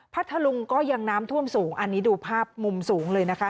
พัทธลุงก็ยังน้ำท่วมสูงอันนี้ดูภาพมุมสูงเลยนะคะ